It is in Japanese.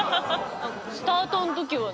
スタートのときはね